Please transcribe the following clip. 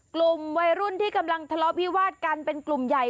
กลุ่มวัยรุ่นที่กำลังทะเลาะวิวาดกันเป็นกลุ่มใหญ่